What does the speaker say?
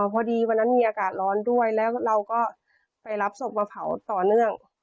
พอดีวันนั้นมีอากาศร้อนด้วยแล้วเราก็ไปรับศพมาเผาต่อเนื่อง